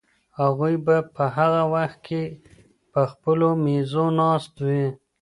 هغوی به په هغه وخت کې په خپلو مېزو ناست وي.